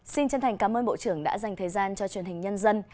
xin chân thành cảm ơn bộ trưởng đã dành thời gian cho truyền hình nhân dân